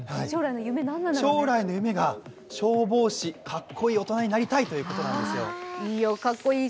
将来の夢が消防士、かっこいい大人になりたいということです。